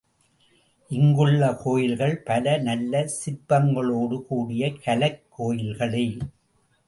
இங்குள்ள கோயில்கள் பல நல்ல சிற்பங்களோடு கூடிய கலைக் கோயில்களே.